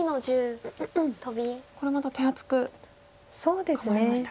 これまた手厚く構えましたか。